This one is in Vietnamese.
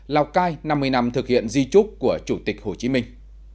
lào cai năm mươi năm thực hiện di trúc của chủ tịch hồ chí minh